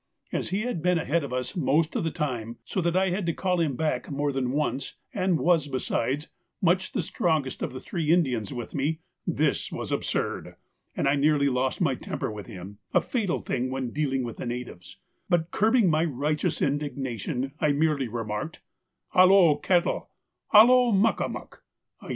As he had been ahead of us most of the time, so that I had had to call him back more than once, and was, besides, much the strongest of the three Indians with me, this was absurd, and I nearly lost my temper with him, a fatal thing when dealing with the natives; but, curbing my righteous indignation, I merely remarked, 'Halo kettle, halo muck a muck,' _i.e.